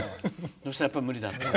そしたら、やっぱり無理だった。